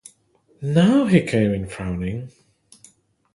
Now he came in frowning.